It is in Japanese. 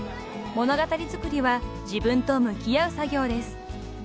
［物語作りは自分と向き合う作業です］